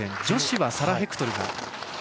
女子はサラ・ヘクトル。